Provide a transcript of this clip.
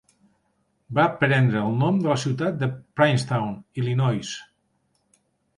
Va prendre el nom de la ciutat de Princeton (Illinois).